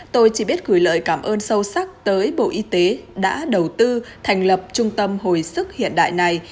tôi chỉ biết gửi lời cảm ơn sâu sắc tới bộ y tế đã đầu tư thành lập trung tâm hồi sức hiện đại này